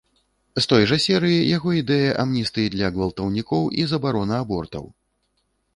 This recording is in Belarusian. З той жа серыі яго ідэя амністыі для гвалтаўнікоў і забарона абортаў.